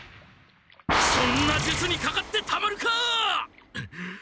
そんな術にかかってたまるか！